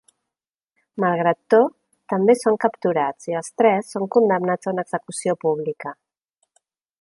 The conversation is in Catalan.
Malgrat to, també són capturats, i els tres són condemnats a una execució pública.